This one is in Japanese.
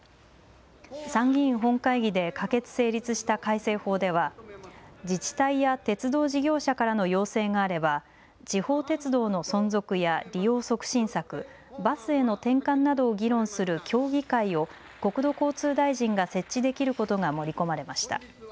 参議院本会議で可決・成立した改正法では自治体や鉄道事業者からの要請があれば地方鉄道の存続や利用促進策、バスへの転換などを議論する協議会を国土交通大臣が設置できることが盛り込まれました。